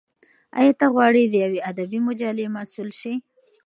ایا ته غواړې د یوې ادبي مجلې مسول شې؟